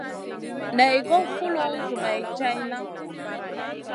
Naï goy foulou zoumay tchaïna.